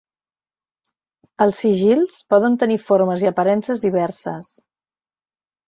Els sigils poden tenir formes i aparences diverses.